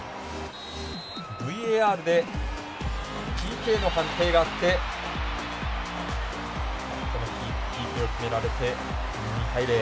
ＶＡＲでＰＫの判定があってＰＫを決められて２対０。